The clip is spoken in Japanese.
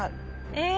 え！